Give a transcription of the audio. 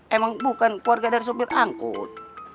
emang bukan keluarga dari supir angkut